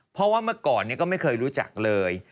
เพราะว่าเมื่อก่อนก็ไม่เคยรู้จักเลย